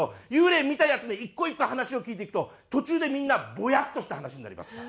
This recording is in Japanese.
幽霊見たヤツの１個１個話を聞いていくと途中でみんなボヤッとした話になります。